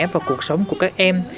vào cuộc sống của các em